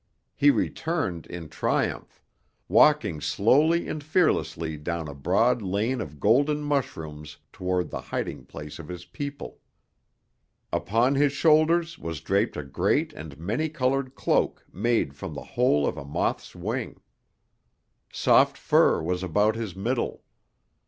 He returned in triumph, walking slowly and fearlessly down a broad lane of golden mushrooms toward the hiding place of his people. Upon his shoulders was draped a great and many colored cloak made from the whole of a moth's wing. Soft fur was about his middle.